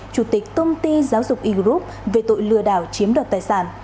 chủ tịch công ty giáo dục e group về tội lừa đảo chiếm đoạt tài sản